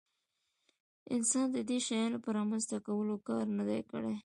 انسان د دې شیانو په رامنځته کولو کار نه دی کړی.